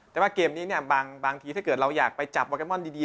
แต่ว่าเกมนี้เนี่ยบางทีถ้าเกิดเราอยากไปจับโปเกมอนดี